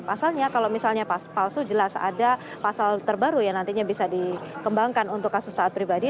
pasalnya kalau misalnya palsu jelas ada pasal terbaru yang nantinya bisa dikembangkan untuk kasus taat pribadi